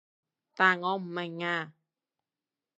但我唔明啊